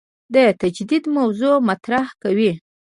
د تجدید موضوع مطرح کوي.